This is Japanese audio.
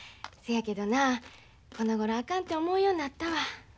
そやけどなこのごろあかんて思うようになったわ。